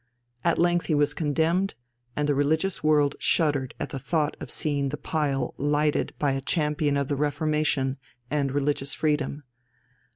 At length he was condemned, and the religious world shuddered at the thought of seeing the pile lighted by a champion of the Reformation and religious freedom.